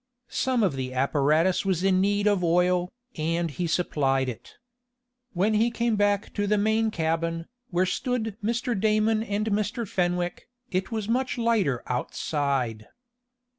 Some of the apparatus was in need of oil, and he supplied it. When he came back to the main cabin, where stood Mr. Damon and Mr. Fenwick, it was much lighter outside.